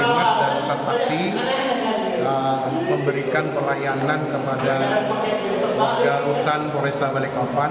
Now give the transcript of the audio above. kepada warga rutan poresa balikpapan